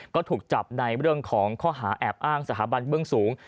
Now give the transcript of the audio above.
ก็ถูกจับในเรื่องของข้อหาแอบอ้างสถาบันเบื้องสูง